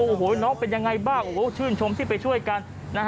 โอ้โหน้องเป็นยังไงบ้างโอ้โหชื่นชมที่ไปช่วยกัน